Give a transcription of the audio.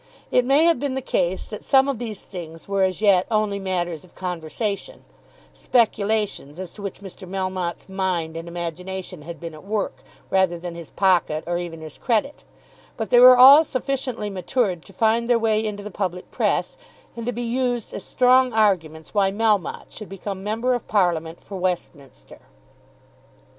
It may have been the case that some of these things were as yet only matters of conversation, speculations as to which Mr. Melmotte's mind and imagination had been at work, rather than his pocket or even his credit; but they were all sufficiently matured to find their way into the public press, and to be used as strong arguments why Melmotte should become member of Parliament for Westminster.